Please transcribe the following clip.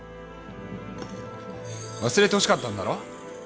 忘れてほしかったんだろ！？